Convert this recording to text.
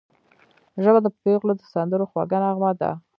ژبه د پېغلو د سندرو خوږه نغمه ده